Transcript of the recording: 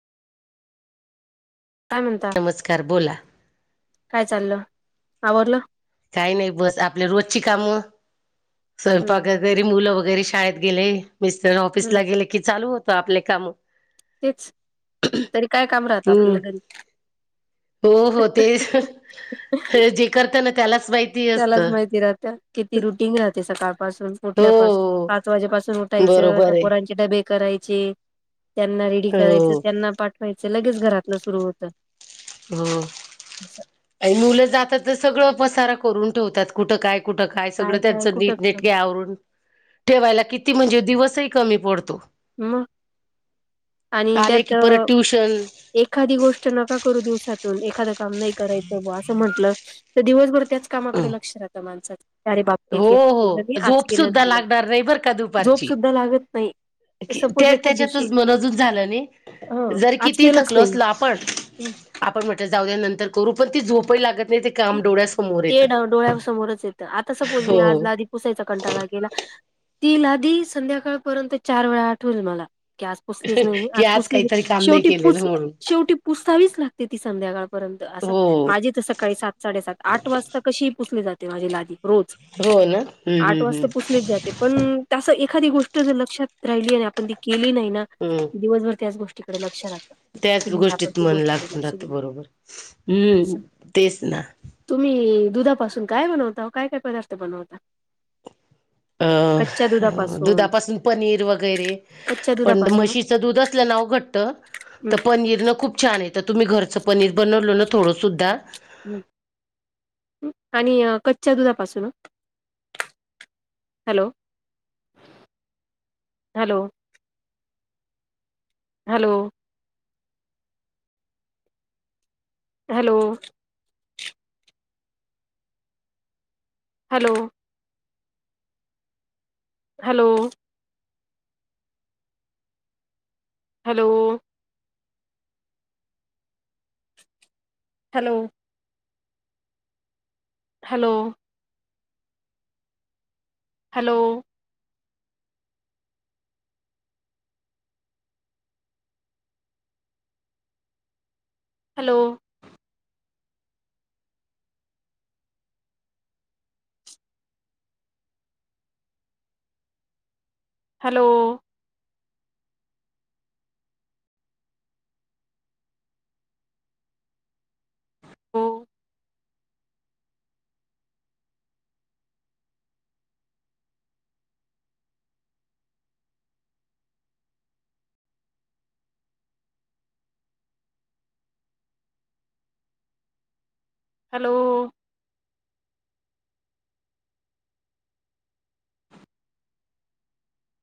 काय म्हणता? नमस्कार बोला काय चाललं? आवरलं. काही नाही बस आपल्या रोजची कामं हम्म स्वयंपाक हम्म वगैरे मुलं वगैरे शाळेत गेले मिस्टर ऑफिसला हम्म गेले की चालू होतो आपले काम तेच तरी काय काम राहतं हम्म आपल्याला घरी हो हो ते जे करत ना त्यालाच माहीत. त्यालाच माहिती राहत किती रुटीन राहते सकाळपासून हो उठल्या पासून पाच वाजेपासून उठायचं बरोबर त्या आहे पोरांचे डब्बे करायचे त्यांना र करायच हो त्यांना पाठवायचं लगेच घरातलं सुरु होत. हो. आणि मुलं जातात तर सगळं पसारा करून ठेवतात कुठं काय कुठं काय काय सगळं काय त्यांचं कुठं कुठं नीटनेटके आवरून ठेवायला किती म्हणजे दिवसही कमी पडतो. मग आणि आले त्यात की परत ट्युशन एखादी गोष्ट नका करू दिवसातून एखादं काम नाही करायचं ब असं म्हंटलं तर दिवसभर त्याच कामाकडे लक्ष राहतं माणसात अरे बाप हे हो केलंलं मी हो आज झोप केलं सुद्धा गलं लागणार नाही बर का झोप दुपारची सुद्धा लागत नाही. सपोज ते एखाद दिवशी त्याच्यातच मनजूज झालं नाही ह जर आज किती केलंच थकल नाही मी असल आपण आपण म्हटलं जाऊ द नंतर करू पण ती झोपही लागत नाही काम डोळ्यासमोर ते येतं डोळ्या समोरच येतं आता सपोज मी हो आजला आधी पुसायचा कंटाळा गेला ती लादी संध्याकाळपर्यंत चार वेळा आठवल मला की आज पुसलीच नाही की आज काहीतरी पुसलीच काम नाही शेवटी केलेलं म्हणून शेवटी पुससावीच लागते ती संध्याकाळपर्यंत असं हो माझी तर सकाळी सात साडेसात आठ वाजता कशी पुसले जाते माझे लादी रोज हो ना हम्म आठ हम्म हम्म वाजता पुसलेच जाते. ते पण तस एखादी गोष्ट जर लक्षात राहिली आणि आपण ती केली नाही ना हम्म. दिवसभर त्याच गोष्टीकडे लक्ष राहत. त्याच गोष्टीत मन लागत राहत नाही. बरोबर हम्म असं तेच ना तुम्ही दुधापासून काय बनवता काय काय पदार्थ बनवता अ दुधापासून पनीर वगैरे... कच्च्या पण दुधापासून म्हशीच दूध असल्या घट हम्म पनीर ना खूप छान आहे तर तुम्ही घरचं पनीर बनवल ना थोडंस सुद्धा आणि कच्च्या दुधापासून hello hello hello hello hello hello hello hello. Hello hello hello hello, हो, हॅलो,